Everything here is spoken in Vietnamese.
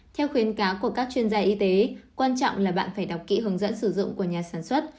theo khuyến cáo của các chuyên gia y tế quan trọng là bạn phải đọc kỹ hướng dẫn sử dụng của nhà sản xuất